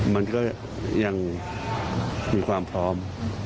มันก็ยังมีความพร้อม